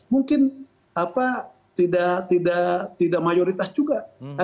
mungkin tidak mayoritas juga